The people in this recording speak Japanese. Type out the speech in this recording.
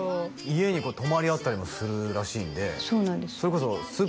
家に泊まり合ったりもするらしいんでそうなんです